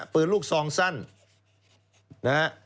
ปืนลูกสองสั้น